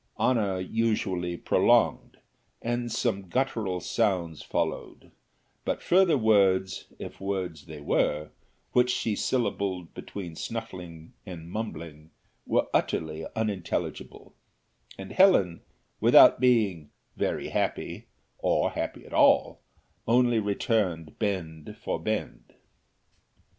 Honour nasally prolonged, and some guttural sounds followed, but further words, if words they were, which she syllabled between snuffling and mumbling, were utterly unintelligible; and Helen, without being "very happy," or happy at all, only returned bend for bend.